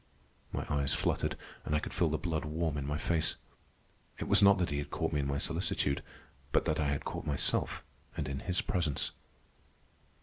My eyes fluttered, and I could feel the blood warm in my face. It was not that he had caught me in my solicitude, but that I had caught myself, and in his presence.